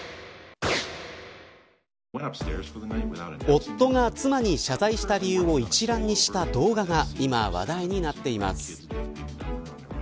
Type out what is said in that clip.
夫が妻に謝罪した理由を一覧にした動画が今、話題になっています。